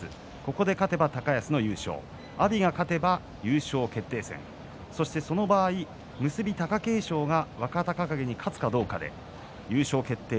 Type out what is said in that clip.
ここで勝てば高安の優勝阿炎が勝てば優勝決定戦そして、その場合、結び貴景勝が若隆景に勝つかどうかで優勝決定